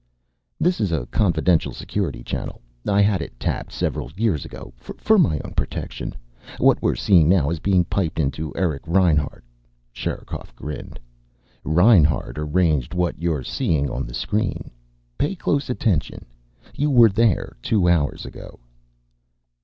"This is a confidential Security channel. I had it tapped several years ago for my own protection. What we're seeing now is being piped in to Eric Reinhart." Sherikov grinned. "Reinhart arranged what you're seeing on the screen. Pay close attention. You were there, two hours ago."